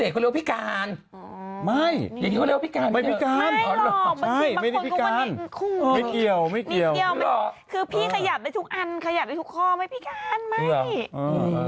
คือพี่ขยับได้ทุกอันขยับได้ทุกคอมไงพี่กานไม่